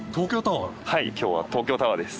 今日は東京タワーです。